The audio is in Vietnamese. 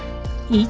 đó là một lý do